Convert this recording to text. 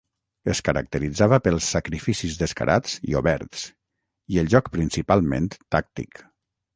Es caracteritzava pels sacrificis descarats i oberts, i el joc principalment tàctic.